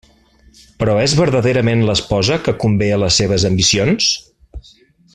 Però és verdaderament l'esposa que convé a les seves ambicions?